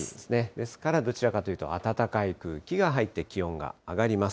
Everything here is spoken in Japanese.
ですから、どちらかというと暖かい空気が入って、気温が上がります。